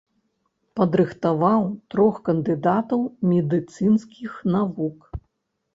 Падрыхтаваў трох кандыдатаў медыцынскіх навук.